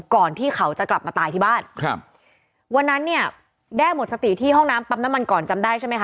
ก่อนที่เขาจะกลับมาตายที่บ้านครับวันนั้นเนี่ยแด้หมดสติที่ห้องน้ำปั๊มน้ำมันก่อนจำได้ใช่ไหมค